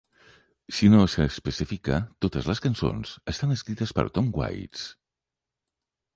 Si no s'especifica, totes les cançons estan escrites per Tom Waits.